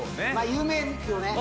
有名ですよね。